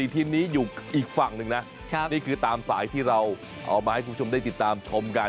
ทีมนี้อยู่อีกฝั่งหนึ่งนะนี่คือตามสายที่เราเอามาให้คุณผู้ชมได้ติดตามชมกัน